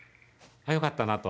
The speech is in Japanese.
あっよかったなと。